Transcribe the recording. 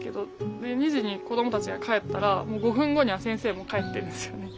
で２時に子どもたちが帰ったらもう５分後には先生も帰ってるんですよね。